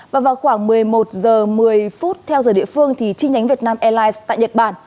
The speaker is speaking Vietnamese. và vào khoảng một mươi một h một mươi theo giờ địa phương thì chi nhánh việt nam airlines tại nhật bản